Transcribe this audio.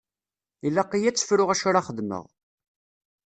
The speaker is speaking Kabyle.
Ilaq-iyi ad tt-fruɣ acu ara xedmeɣ.